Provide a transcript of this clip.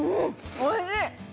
おいしい！